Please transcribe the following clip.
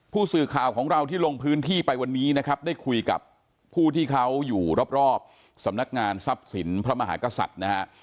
ผู้สื่อข่าวของเราที่ลงพื้นที่ไปวันนี้นะครับได้คุยกับผู้ที่เขาอยู่รอบสำนักงานทรัพย์สินพระมหากษัตริย์นะฮะ